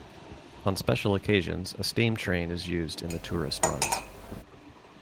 On special occasions, a steam train is used in the tourist runs.